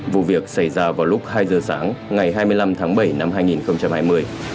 vụ việc xảy ra vào lúc hai giờ sáng ngày hai mươi năm tháng bảy năm hai nghìn hai mươi